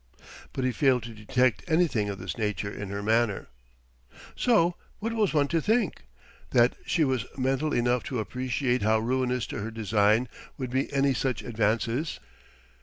But he failed to detect anything of this nature in her manner. So, what was one to think? That she was mental enough to appreciate how ruinous to her design would be any such advances?